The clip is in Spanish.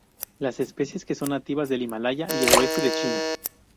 Las especies que son nativas del Himalaya y el oeste de China.